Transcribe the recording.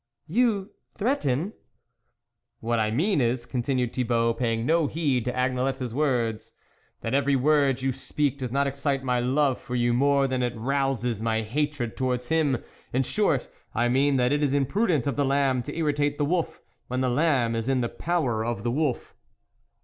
." You, threaten ?"" What I mean is," continued Thi bault, paying no heed to Agnelette's words, " that every word you speak does not excite my love for you more than it rouses my hatred towards him ; in short, I mean that it is imprudent of the lamb to irritate the wolf when the lamb is in the power of the wolf."